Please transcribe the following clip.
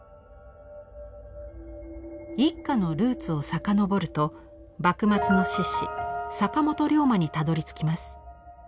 一家のルーツを遡ると幕末の志士坂本龍馬にたどりつきます。